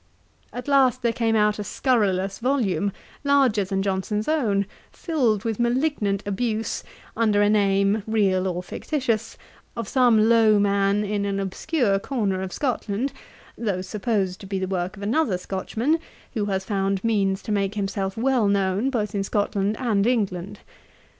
At last there came out a scurrilous volume, larger than Johnson's own, filled with malignant abuse, under a name, real or fictitious, of some low man in an obscure corner of Scotland, though supposed to be the work of another Scotchman, who has found means to make himself well known both in Scotland and England.